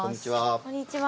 こんにちは。